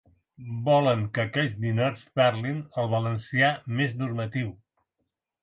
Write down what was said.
Volen que aquells ninots parlin el valencià més normatiu.